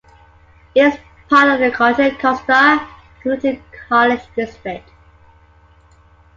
It is part of the Contra Costa Community College District.